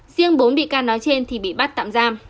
riêng bốn bị can nói trên thì bị bắt tạm giam